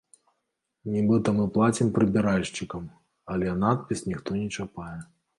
Нібыта мы плацім прыбіральшчыкам, але надпіс ніхто не чапае.